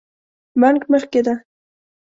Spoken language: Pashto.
بانک مخکې ده